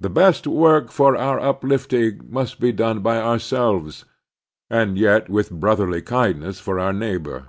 The best work for our uplifting must be done by ourselves, and yet with brotherly kindness for our neighbor.